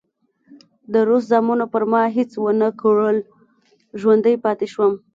د روس زامنو پر ما هېڅ ونه کړل، ژوندی پاتې شوم.